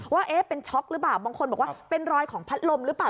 ว่าเป็นช็อกหรือเปล่าบางคนบอกว่าเป็นรอยของพัดลมหรือเปล่า